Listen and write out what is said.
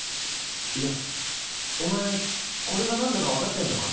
いやお前これが何だか分かってんのか？